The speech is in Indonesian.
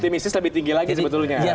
optimistis lebih tinggi lagi sebetulnya